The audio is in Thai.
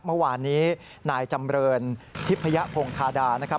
เมื่อวานนี้นายจำเรินทิพยพงธาดานะครับ